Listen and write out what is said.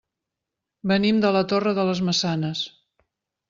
Venim de la Torre de les Maçanes.